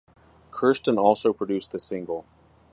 Kurstin also produced the single.